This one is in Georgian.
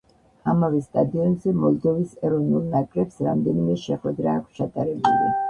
ამავე სტადიონზე მოლდოვის ეროვნულ ნაკრებს რამდენიმე შეხვედრა აქვს ჩატარებული.